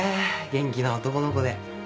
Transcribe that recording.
元気な男の子で。